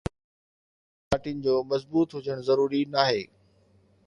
ان لاءِ سياسي پارٽين جو مضبوط هجڻ ضروري ناهي.